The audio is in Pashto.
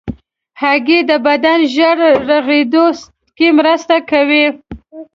هګۍ د بدن ژر رغېدو کې مرسته کوي.